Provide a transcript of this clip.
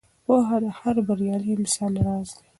پوهه د هر بریالي انسان راز دی.